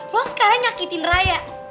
lo sekalian nyakitin raya